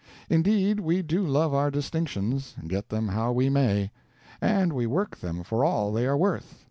Indeed, we do love our distinctions, get them how we may. And we work them for all they are worth.